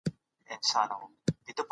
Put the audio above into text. پړانګ 🐯